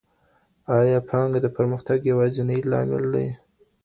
ایا پانګه د پرمختګ یوازینی لامل دی؟